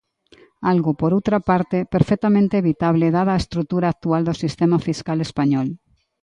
Algo, por outra parte, perfectamente evitable dada a estrutura actual do sistema fiscal español.